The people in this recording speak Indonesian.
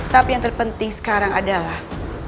tapi yang terpenting sekarang adalah